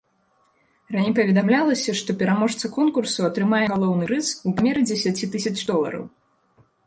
Раней паведамлялася, што пераможца конкурсу атрымае галоўны прыз у памеры дзесяці тысяч долараў.